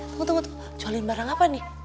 tunggu tunggu tuh jualin barang apa nih